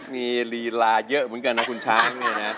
มีรีลาเยอะเหมือนกันนะคุณช้าง